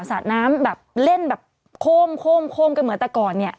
สาดน้ำแบบเล่นแบบโคมกันเหมือนแต่ก่อนเนี่ย